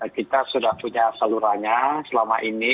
kita sudah punya salurannya selama ini